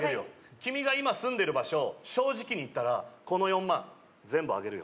君が今住んでいる場所を正直に言ったらこの４万、全部あげるよ。